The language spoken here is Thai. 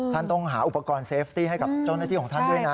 ท่านต้องหาอุปกรณ์เซฟตี้ให้กับเจ้าหน้าที่ของท่านด้วยนะ